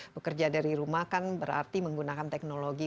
bekerja dari rumah kan berarti menggunakan teknologi